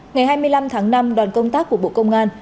ngày hai mươi năm tháng năm đoàn công tác của bộ công an